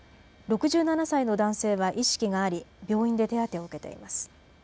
６７歳の男性は意識があり病院で手当てを受けています。